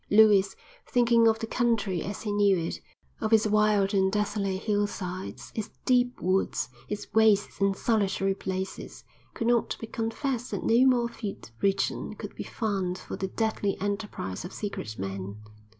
Lewis, thinking of the country as he knew it, of its wild and desolate hillsides, its deep woods, its wastes and solitary places, could not but confess that no more fit region could be found for the deadly enterprise of secret men.